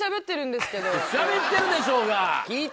しゃべってるでしょうが！